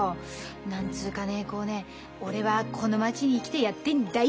何つうかねこうね「俺はこの町に来てやってんだい！」